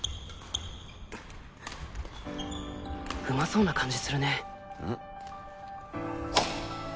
うまそうな感じするね。